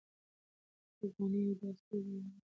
ځواني د یو داسې تېز روان سیند په څېر ده چې نه درېږي.